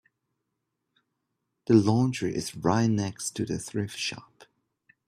The laundry is right next to the thrift shop.